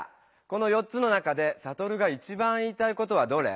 この４つの中でサトルが一番言いたいことはどれ？